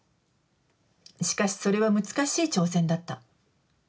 しかし、それは難しい挑戦だった。